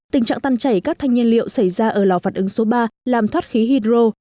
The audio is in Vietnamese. tình trạng tan chảy các thanh nhiên liệu xảy ra ở lò phản ứng số ba làm thoát khí hydro